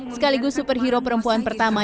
sekaligus superhero perempuan pertama